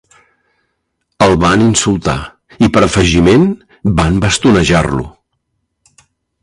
El van insultar, i per afegiment van bastonejar-lo.